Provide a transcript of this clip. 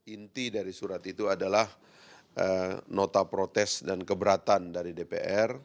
inti dari surat itu adalah nota protes dan keberatan dari dpr